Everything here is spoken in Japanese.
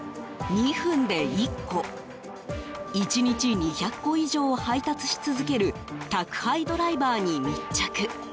２分で１個１日２００個以上を配達し続ける宅配ドライバーに密着。